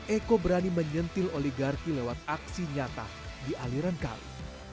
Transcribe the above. eko berani menyentil oligarki lewat aksi nyata di aliran kali